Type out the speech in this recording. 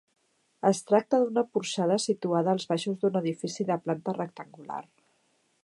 Es tracta d'una porxada situada als baixos d'un edifici de planta rectangular.